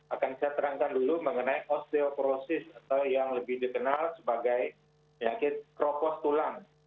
akan saya terangkan dulu mengenai osteoporosis atau yang lebih dikenal sebagai penyakit kropos tulang